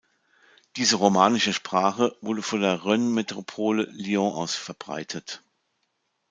Diese romanische Sprache wurde von der Rhône-Metropole Lyon aus verbreitet.